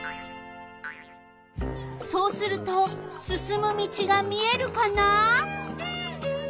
そうするとすすむ道が見えるかな？